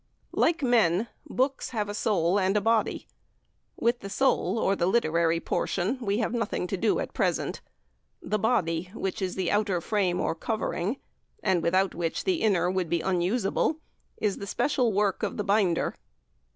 Like men, books have a soul and body. With the soul, or literary portion, we have nothing to do at present; the body, which is the outer frame or covering, and without which the inner would be unusable, is the special work of the binder.